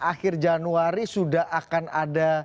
akhir januari sudah akan ada